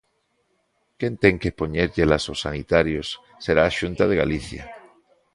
Quen ten que poñérllelas aos sanitarios será a Xunta de Galicia.